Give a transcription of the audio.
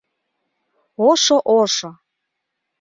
Ошо-ошо.